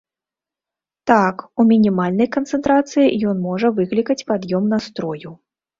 Так, у мінімальнай канцэнтрацыі ён можа выклікаць пад'ём настрою.